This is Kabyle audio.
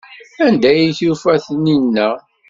Anda ay yufa Taninna?